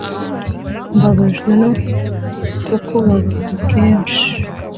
Mbabajwe no kukubabaza kenshi.